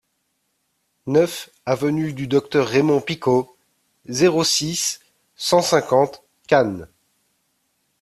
neuf avenue du Docteur Raymond Picaud, zéro six, cent cinquante, Cannes